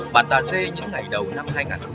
bạn ta dê những ngày đầu năm hai nghìn một mươi năm